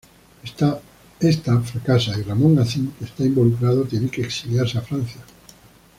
Ésta fracasa y Ramón Acín, que está involucrado, tiene que exiliarse a Francia.